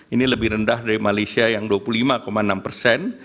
ini lebih rendah dari malaysia yang dua puluh lima enam persen